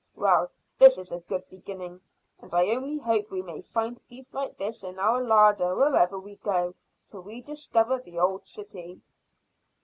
Well, this is a good beginning, and I only hope we may find beef like this in our larder wherever we go, till we discover the old city."